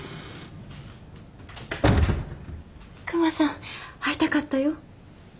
クマさん会いたかったよ。